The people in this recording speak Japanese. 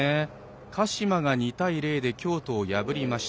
鹿島が２対０で京都を破りました。